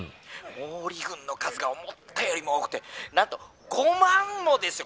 「毛利軍の数が思ったよりも多くてなんと５万もですよ！